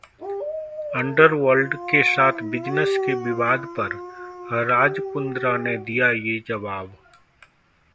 underworld के साथ business के विवाद पर राज कुंद्रा ने दिया ये जवाब